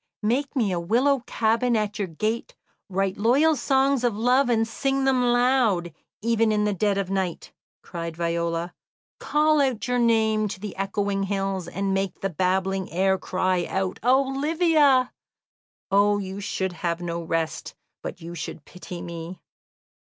"Make me a willow cabin at your gate, write loyal songs of love, and sing them loud, even in the dead of night," cried Viola; "call out your name to the echoing hills, and make the babbling air cry out 'Olivia!' Oh, you should have no rest, but you should pity me!"